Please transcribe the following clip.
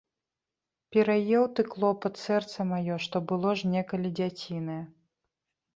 Пераеў ты, клопат, сэрца маё, што было ж некалі дзяцінае.